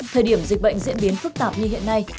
thời điểm dịch bệnh diễn biến phức tạp như hiện nay